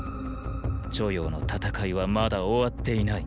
著雍の戦いはまだ終わっていない。